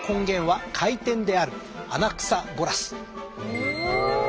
へえ！